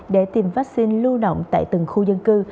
để tìm vaccine lưu động tại từng khu dân cư